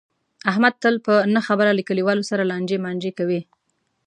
احمد تل په نه خبره له کلیواو سره لانجې مانجې کوي.